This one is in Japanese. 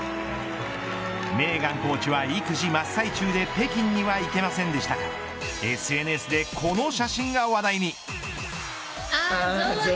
メーガンコーチは育児真っ最中で北京には行けませんでしたがＳＮＳでこの写真が話題に。